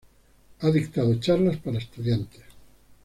Ha dictado charlas para estudiantes.